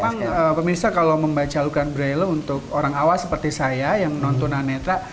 memang pemirsa kalau membaca al quran braille untuk orang awas seperti saya yang nonton anetra